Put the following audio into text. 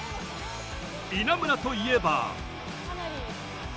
稲村といえば。